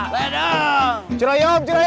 masih ada yang nangis